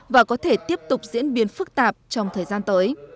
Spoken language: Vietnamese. và có thể tiếp tục diễn biến phức tạp trong thời gian tới